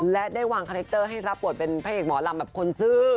และได้วางคาแรคเตอร์ให้รับบทเป็นพระเอกหมอลำแบบคนซื้อ